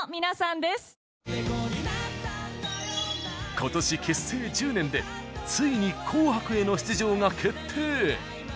今年結成１０年でついに「紅白」への出場が決定！